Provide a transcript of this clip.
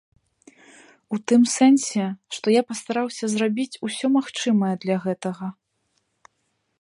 У тым сэнсе, што я пастараўся зрабіць усё магчымае для гэтага.